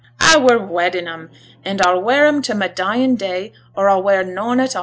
'A were wed in 'em, and a'll wear 'em to my dyin' day, or a'll wear noane at a'.